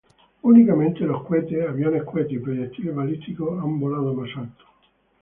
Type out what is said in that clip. Únicamente los cohetes, aviones cohete y proyectiles balísticos han volado más alto.